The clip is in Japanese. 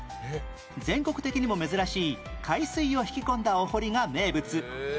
全国的にも珍しい海水を引き込んだお堀が名物